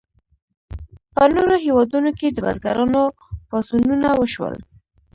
په نورو هیوادونو کې د بزګرانو پاڅونونه وشول.